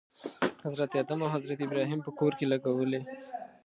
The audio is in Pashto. حضرت آدم او حضرت ابراهیم په کور کې لګولی.